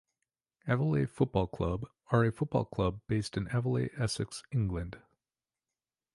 Aveley Football Club are a football club based in Aveley, Essex, England.